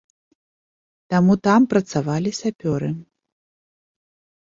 Таму там працавалі сапёры.